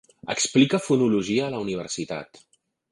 Explica fonologia a la universitat.